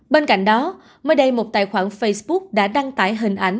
bên cạnh đó mới đây một tài khoản facebook đã đăng tải hình ảnh